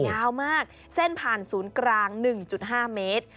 ยาวมากเส้นผ่านศูนย์กลาง๑๕เมตร